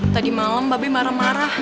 tadi malam babi marah marah